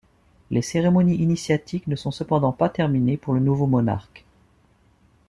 Les cérémonies initiatiques ne sont cependant pas terminées pour le nouveau monarque.